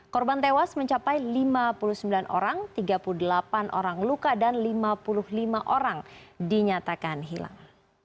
korban tewas mencapai lima puluh sembilan orang tiga puluh delapan orang luka dan lima puluh lima orang dinyatakan hilang